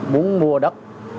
muốn mua đất